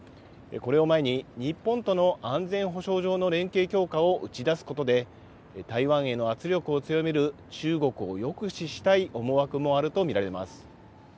これを前に、日本との安全保障上の連携強化を打ち出すことで、台湾への圧力を強める中国を抑止したい思惑もあると見られます。